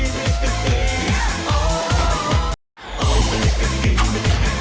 บอกแล้วไงให้กลับ